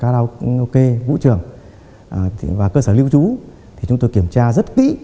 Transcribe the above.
lao kê vũ trường và cơ sở lưu trú chúng tôi kiểm tra rất kỹ